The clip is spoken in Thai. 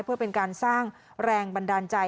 เพื่อเป็นการสร้างแรงบันดาลใจ